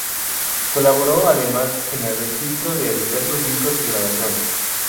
Colaboró, además, en el registro de diversos discos y grabaciones.